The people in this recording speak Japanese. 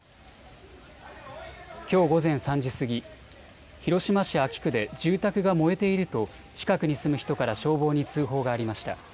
きょう午前３時過ぎ、広島市安芸区で住宅が燃えていると近くに住む人から消防に通報がありました。